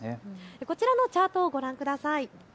こちらのチャートをご覧ください。